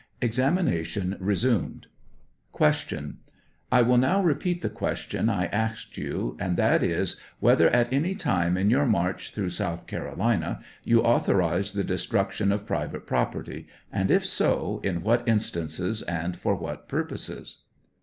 Examination resumed: Q. I will now repeat the question I asked yon, and that is, whether at any time in your march through South Carolina, you authorized the destruction of pri vate property; and, if so, in what instances, and for what purposes?